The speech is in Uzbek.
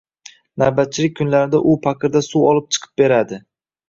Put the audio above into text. Navbatchilik kunlarimda u paqirda suv olib chiqib beradi